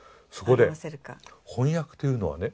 翻訳というのはね